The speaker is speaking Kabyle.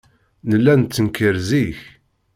Nella nettenkar zik.